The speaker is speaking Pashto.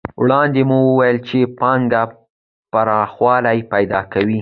وړاندې مو وویل چې پانګه پراخوالی پیدا کوي